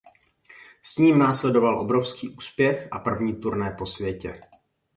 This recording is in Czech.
S ním následoval obrovský úspěch a první turné po světě.